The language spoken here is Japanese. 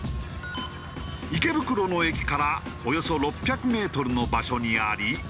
池袋の駅からおよそ６００メートルの場所にあり